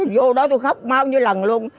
vô đó tôi khóc bao nhiêu lần luôn